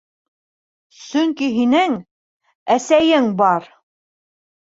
Сөнки һинең... әсәйең бар...